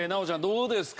どうですか？